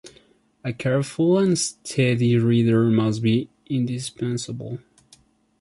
A careful and steady reader must be indispensable.